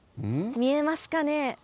見えますかね？